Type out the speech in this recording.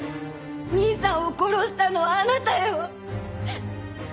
兄さんを殺したのはあなたよ！